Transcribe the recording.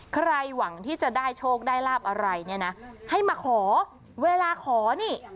ใครหวังที่จะได้โชคได้ลาบอะไรเนี่ยนะให้มาขอเวลาขอนี่